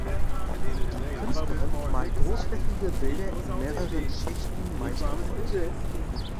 Die Künstlerin malt großflächige Bilder in mehreren Schichten, meist auf Holz.